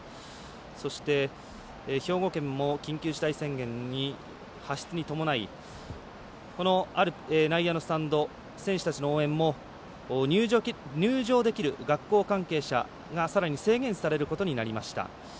そして、兵庫県も緊急事態宣言発出に伴い内野のスタンド選手たちの応援も入場できる学校関係者がさらに制限されることになりました。